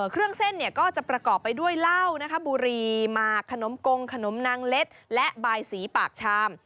เครื่องเส้นเนี่ยก็จะประกอบไปด้วยเหล้าบุรีหมากขนมกงขนมนางเล็ดและบายสีปากชาม